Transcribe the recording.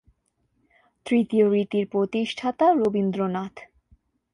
তৃতীয় রীতির প্রতিষ্ঠাতা রবীন্দ্রনাথ।